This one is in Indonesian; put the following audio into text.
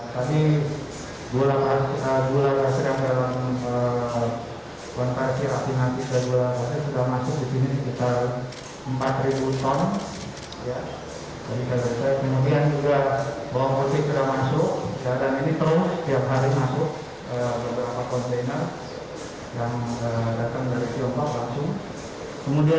satu satu ratus enam puluh ton bawang putih akan dipermudah